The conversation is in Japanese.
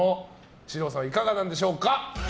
獅童さん、いかがなんでしょうか。